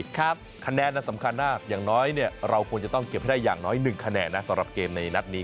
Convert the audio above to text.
คะแนนนั้นสำคัญมากอย่างน้อยเราควรจะต้องเก็บให้ได้อย่างน้อย๑คะแนนนะสำหรับเกมในนัดนี้